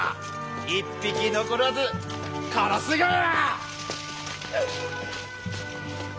一匹残らず殺すがや！